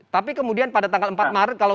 tapi kemudian pada tanggal empat maret kalau